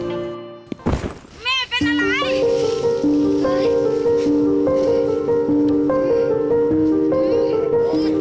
แม่เป็นอะไร